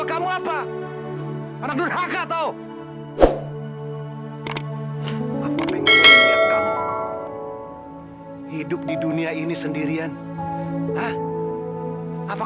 sampai jumpa di video selanjutnya